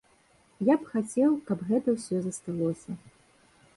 Я б хацеў, каб гэта ўсё засталося.